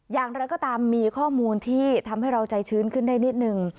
อย่างไรก็ตามมีข้อมูลที่ทำให้เราใจชื้นขึ้นได้นิดนึง